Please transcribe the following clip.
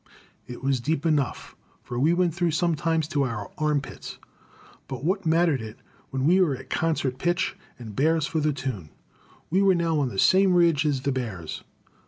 It was deep enough, for we went through sometimes to our armpits. But what mattered it when we were at concert pitch, and bears for the tune? We were now on the same ridge as the bears.